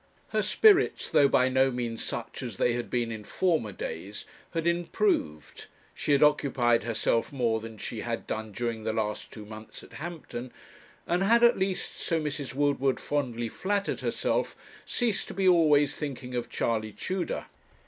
Her spirits, though by no means such as they had been in former days, had improved, she had occupied herself more than she had done during the last two months at Hampton, and had, at least so Mrs. Woodward fondly flattered herself, ceased to be always thinking of Charley Tudor.